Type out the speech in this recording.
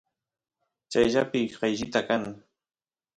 chayllapi qayllita kan